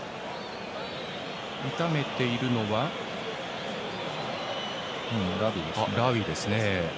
痛めているのはラウィですね。